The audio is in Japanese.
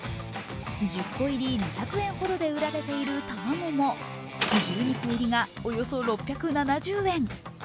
１０個入り２００円ほどで売られている卵も、１２個入りが、およそ６７０円。